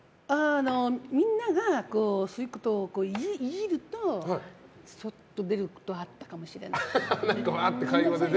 みんながイジるとそっと出ることがあったかもしれない。